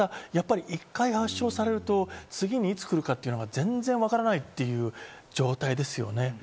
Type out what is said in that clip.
一回発症されると次にいつ来るか、全然わからないという状態ですよね。